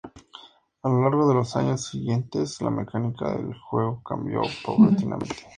A lo largo de los años siguientes, la mecánica del juego cambió paulatinamente.